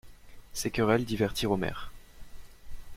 Ces querelles divertirent Omer.